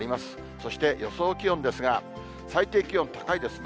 そして予想気温ですが、最低気温、高いですね。